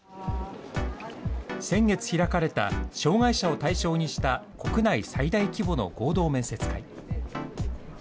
先月開かれた障害者を対象にした国内最大規模の合同面接会。